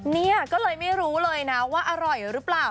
เนี่ยก็เลยไม่รู้เลยนะว่าอร่อยหรือเปล่า